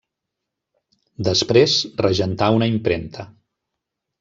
Després regentà una impremta.